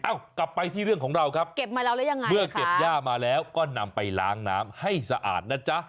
เอ้ากลับไปที่เรื่องของเราครับเมื่อเก็บย่ามาแล้วก็นำไปล้างน้ำให้สะอาดนะจ๊ะ